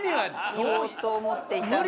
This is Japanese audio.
言おうと思っていたもので。